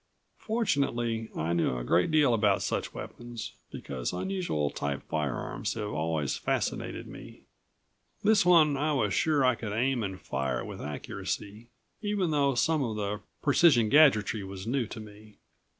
Fortunately I knew a great deal about such weapons, because unusual type firearms have always fascinated me. This one I was sure I could aim and fire with accuracy, even though some of the precision gadgetry was new to me.